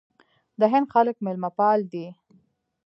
د هند خلک میلمه پال دي.